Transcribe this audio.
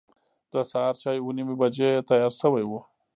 د سهار چای اوه نیمې بجې تیار شوی و.